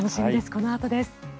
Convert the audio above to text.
このあとです。